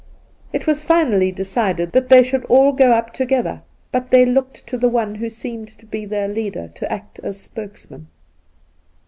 It was finally decided that they should all go up together, but they looked to the one who seemed to be their leader to act as spokesman.